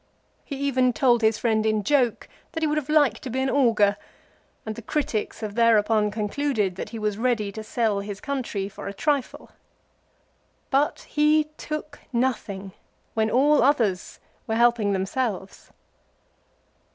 He even told his friend in joke that he would have liked to be an augur, and the critics have thereupon concluded that he was ready to sell his country for a trifle. But he took nothing, when all others were helping themselves.